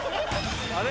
あれ？